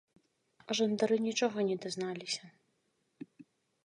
Жандары нічога не дазналіся.